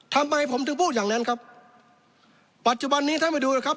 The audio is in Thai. ทำไมผมถึงพูดอย่างนั้นครับปัจจุบันนี้ท่านไปดูนะครับ